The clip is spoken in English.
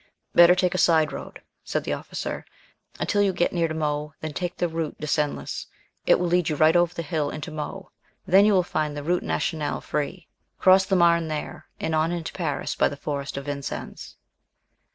"Better take a side road," said the officer, "until you get near to Meaux, then take the route de Senlis. It will lead you right over the hill into the Meaux, then you will find the route nationale free. Cross the Marne there, and on into Paris by the forest of Vincennes."